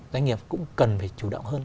doanh nghiệp cũng cần phải chủ động hơn